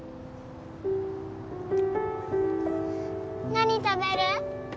何食べる？